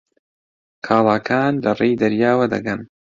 کاڵاکان لەڕێی دەریاوە دەگەن.